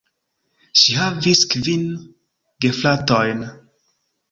Ŝi havis kvin gefratojn.